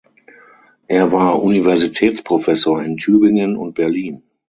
Er war Universitätsprofessor in Tübingen und Berlin.